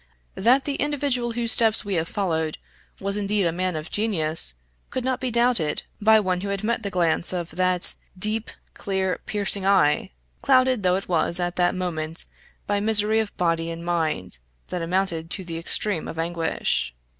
That the individual whose steps we have followed was indeed a man of genius, could not be doubted by one who had met the glance of that deep, clear, piercing eye, clouded though it was at that moment by misery of body and mind that amounted to the extreme of anguish.